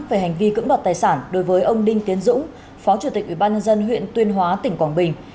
về hành vi cưỡng đoạt tài sản đối với ông đinh tiến dũng phó chủ tịch ủy ban nhân dân huyện tuyên hóa tỉnh quảng bình